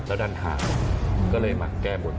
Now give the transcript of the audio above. แล้วดันหาก็เลยมาแก้บน